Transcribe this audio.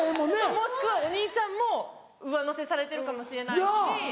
もしくはお兄ちゃんも上乗せされてるかもしれないし。